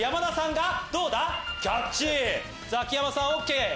ザキヤマさんＯＫ！